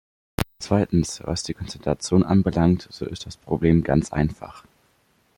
Zweitens, was die Konzentration anbelangt, so ist das Problem ganz einfach.